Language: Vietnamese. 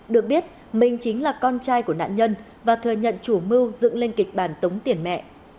được biết mình chính là con trai của nạn nhân và thừa nhận chủ mưu dựng lên kịch bản tống tiền mẹ